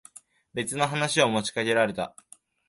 別の話を持ちかけられた。